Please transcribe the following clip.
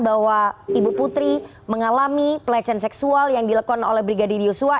bahwa ibu putri mengalami pelecehan seksual yang dilakukan oleh brigadir yosua